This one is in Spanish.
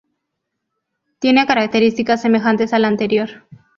Tiene características semejantes a la anterior.